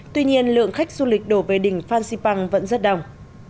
tuy nhiên lượng khách du lịch đổ về đỉnh phan xipang vẫn rất đông